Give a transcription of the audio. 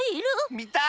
みたい！